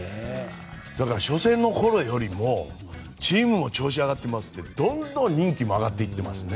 だから初戦のころよりもチームの調子上がってますし人気も上がってますね。